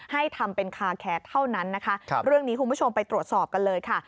ให้ทำเป็นคาแคสเท่านั้นนะคะเรื่องนี้คุณผู้ชมไปตรวจสอบกันเลยค่ะ